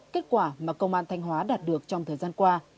kết quả mà công an thanh hóa đạt được trong thời gian qua